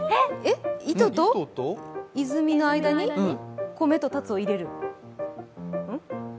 糸と泉の間に米と立を入れる？